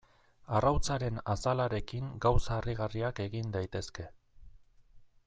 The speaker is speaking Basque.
Arrautzaren azalarekin gauza harrigarriak egin daitezke.